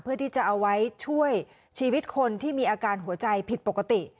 เพื่อที่จะเอาไว้ช่วยชีวิตคนที่มีอาการหัวใจผิดปกติ